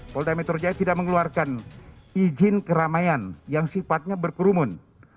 polda metro jaya tidak mengeluarkan izin keramaian yang sifatnya berkerumun